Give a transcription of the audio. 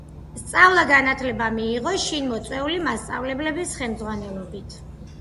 სწავლა-განათლება მიიღო შინ მოწვეული მასწავლებლების ხელმძღვანელობით.